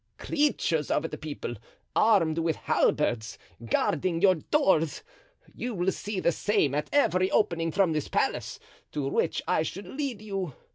Creatures of the people, armed with halberds, guarding your doors. You will see the same at every opening from this palace to which I should lead you.